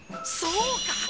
そうか！